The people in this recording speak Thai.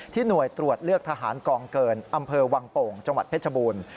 หน่วยตรวจเลือกทหารกองเกินอำเภอวังโป่งจังหวัดเพชรบูรณ์